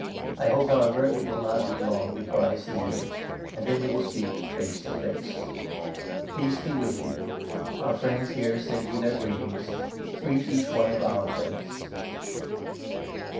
I hope, however, it will not 14 be long before I see you, and then we will speak face to face. Peace be with you. Our friends here send you their greetings. Greet each one of our friends.